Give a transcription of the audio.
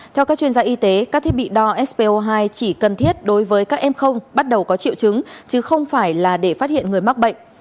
theo các chuyên gia y tế các thiết bị đo spo hai chỉ cần thiết đối với các em không bắt đầu có triệu chứng chứ không phải là để phát hiện người mắc bệnh